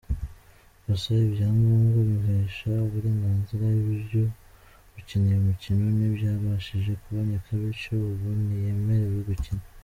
Gusa ibyangombwa bimuhesha uburenganzira bwo gukina iyi mikino ntibyabashije kuboneka, bityo ubu ntiyemerewe gukina.